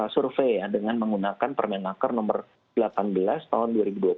survei ya dengan menggunakan permenaker nomor delapan belas tahun dua ribu dua puluh